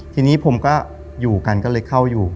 ทีนี้ผมก็อยู่กันก็เลยเข้าอยู่